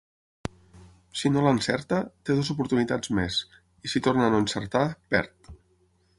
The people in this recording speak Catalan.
Si no l'encerta, té dues oportunitats més, i si torna a no encertar, perd.